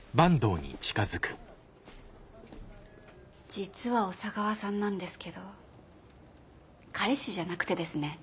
実は小佐川さんなんですけど彼氏じゃなくてですね。